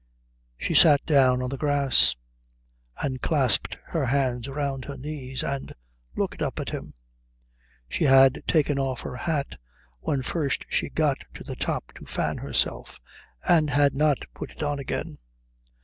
She sat down on the grass and clasped her hands round her knees and looked up at him. She had taken off her hat when first she got to the top to fan herself, and had not put it on again.